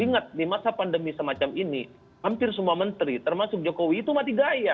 ingat di masa pandemi semacam ini hampir semua menteri termasuk jokowi itu mati gaya